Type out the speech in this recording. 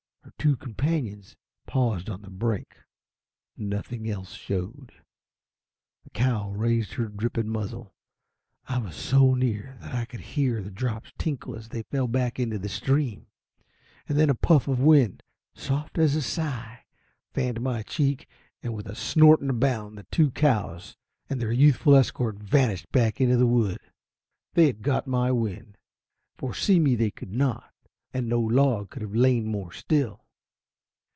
Her two companions paused on the brink. Nothing else showed. The cow raised her dripping muzzle. I was so near that I could hear the drops tinkle as they fell back into the stream. And then a puff of wind, soft as a sigh, fanned my cheek, and with a snort and a bound the two cows and their youthful escort vanished back into the wood. They had got my wind, for see me they could not, and no log could have lain more still.